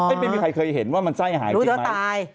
ไม่มีใครเคยเห็นว่ามันไส้หายเชื้อตาย